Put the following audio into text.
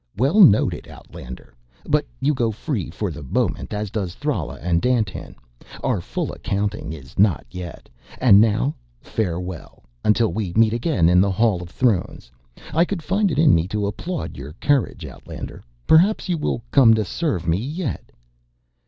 "Well noted, outlander. But you go free for the moment, as does Thrala and Dandtan. Our full accounting is not yet. And now, farewell, until we meet again in the Hall of Thrones. I could find it in me to applaud your courage, outlander. Perhaps you will come to serve me yet."